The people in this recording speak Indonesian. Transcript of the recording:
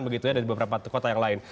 begitunya dan beberapa kota yang lain